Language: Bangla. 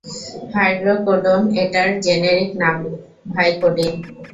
হাইড্রোকোডোন, এটার জেনেরিক নাম ভাইকোডিন।